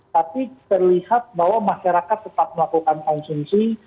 tapi terlihat bahwa masyarakat tetap melakukan konsumsi